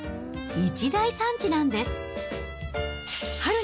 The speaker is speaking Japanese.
一大産地なんです。